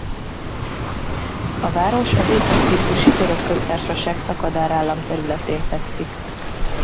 A város az Észak-Ciprusi Török Köztársaság szakadár állam területén fekszik.